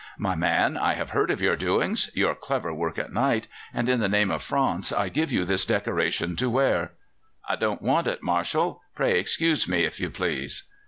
"My man, I have heard of your doings your clever work at night and in the name of France I give you this decoration to wear." "I don't want it, Marshal. Pray excuse me, if you please."